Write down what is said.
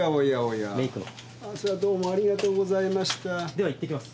では行ってきます。